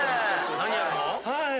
何やるの？